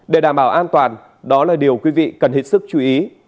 để đảm bảo an toàn đó là điều quý vị cần hết sức chú ý